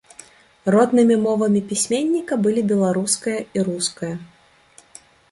Роднымі мовамі пісьменніка былі беларуская і руская.